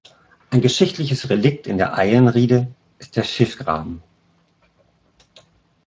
Ein geschichtliches Relikt in der Eilenriede ist der Schiffgraben.